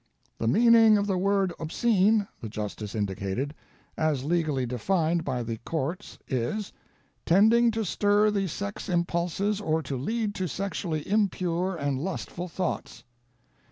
"The meaning of the word 'obscene,'" the Justice indicated, "as legally defined by the courts is: tending to stir the sex impulses or to lead to sexually impure and lustful thoughts.